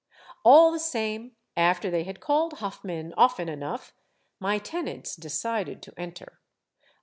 " All the same, after they had called Hoffman often enough, my tenants decided to enter.